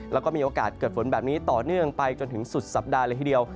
แล้วก็มีโอกาสเกิดฝนแบบนี้ต่อเนื่องไปจนถึงสุดสัปดาห์เลยทีเดียว